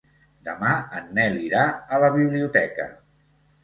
Demà en Nel irà a la biblioteca.